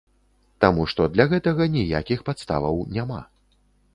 Таму што для гэтага ніякіх падставаў няма.